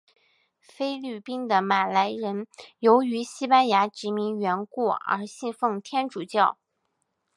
菲律宾的马来人由于西班牙殖民缘故而信奉天主教。